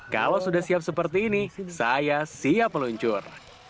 kalau sudah siap seperti ini saya siap meluncur